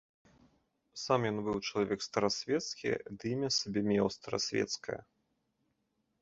Сам ён быў чалавек старасвецкі, ды імя сабе меў старасвецкае.